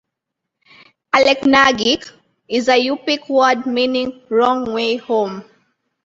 "Aleknagik" is a Yupik word meaning "wrong way home".